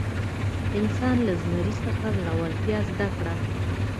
انسان له زمري څخه زړورتیا زده کړه.